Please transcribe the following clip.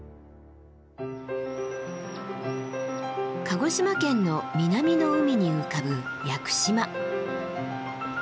鹿児島県の南の海に浮かぶ屋久島。